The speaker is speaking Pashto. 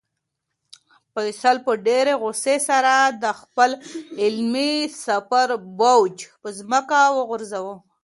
فیصل په ډېرې غوسې سره د خپل علمي سفر بوج په ځمکه وغورځاوه.